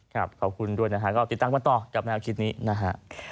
ครับขอบคุณด้วยนะฮะก็ติดตามต่อกลับมาอาทิตย์นี้นะฮะ